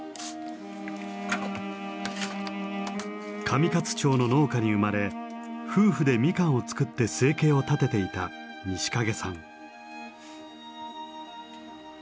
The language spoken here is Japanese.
上勝町の農家に生まれ夫婦でミカンを作って生計を立てていた西蔭さん。